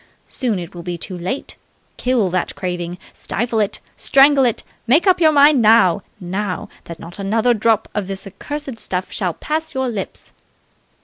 Soon it will be too late! Kill that craving! Stifle it! Strangle it! Make up your mind now now, that not another drop of the accursed stuff shall pass your lips...